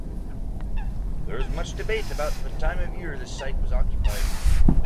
There is much debate about the time of year the site was occupied.